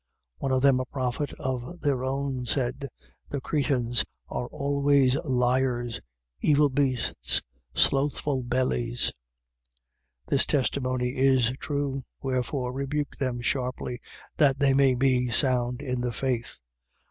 One of them a prophet of their own, said: The Cretans are always liars, evil beasts, slothful bellies. 1:13. This testimony is true. Wherefore, rebuke them sharply, that they may be sound in the faith: 1:14.